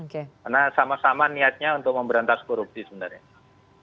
karena sama sama niatnya untuk memberantas korupsi sebenarnya